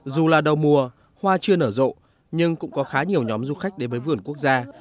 dù là đầu mùa hoa chưa nở rộ nhưng cũng có khá nhiều nhóm du khách đến với vườn quốc gia